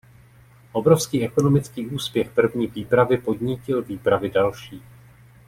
Obrovský ekonomický úspěch první výpravy podnítil výpravy další.